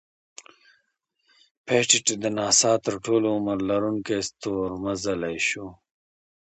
پېټټ د ناسا تر ټولو عمر لرونکی ستور مزلی شو.